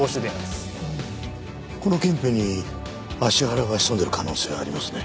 この近辺に芦原が潜んでいる可能性がありますね。